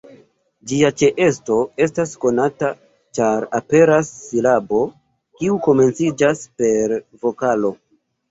Ĝia ĉeesto estas konata ĉar aperas silabo kiu komenciĝas per vokalo.